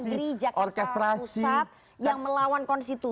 menurut anda pengadilan negeri jakarta pusat yang melawan konstitusi